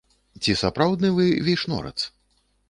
Ці сапраўдны вы вейшнорац?